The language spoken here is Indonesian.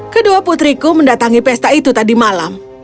kedua putriku mendatangi pesta itu tadi malam